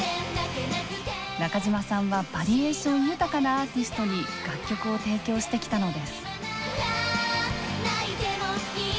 中島さんはバリエーション豊かなアーティストに楽曲を提供してきたのです。